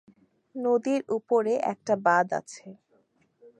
নদীর উপরে একটা বাঁধ আছে।